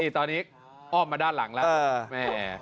ตอนนี้อ้อมมาด้านหลังแล้ว